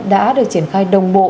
đã được triển khai đồng bộ